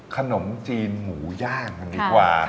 ขนมจีนหมูย่างกันดีกว่า